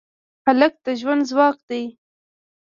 هلک د ژوند ځواک دی.